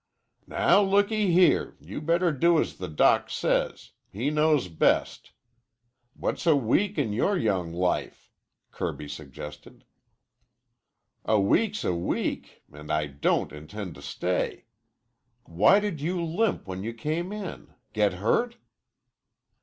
"Now, looky here, you better do as the doc says. He knows best. What's a week in your young life?" Kirby suggested. "A week's a week, and I don't intend to stay. Why did you limp when you came in? Get hurt?"